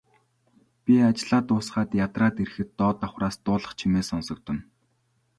Би ажлаа дуусгаад ядраад ирэхэд доод давхраас дуулах чимээ сонсогдоно.